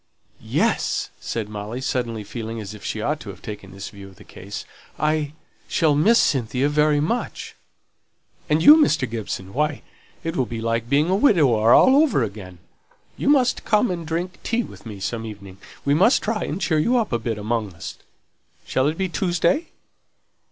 "Yes!" said Molly, suddenly feeling as if she ought to have taken this view of the case. "I shall miss Cynthia very much." "And you, Mr. Gibson; why, it'll be like being a widower over again! You must come and drink tea with me some evening. We must try and cheer you up a bit amongst us. Shall it be Tuesday?"